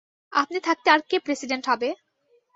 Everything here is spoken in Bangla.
আপনি থাকতে আর কে প্রেসিডেন্ট হবে?